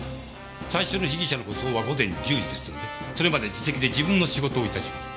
最初の被疑者の護送は午前１０時ですのでそれまで自席で自分の仕事を致します。